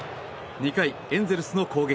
２回、エンゼルスの攻撃。